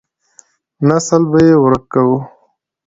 نسل به يې ورک کو.